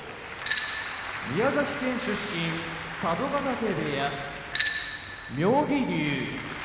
宮崎県出身佐渡ヶ嶽部屋妙義龍